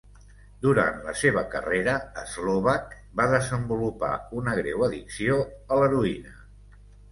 Durant la seva carrera, Slovak va desenvolupar una greu addicció a l'heroïna.